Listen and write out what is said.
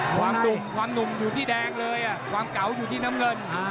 ล้มนุ่มอยู่ที่แดงเลยล้มเกาอยู่ที่น้ำเงิน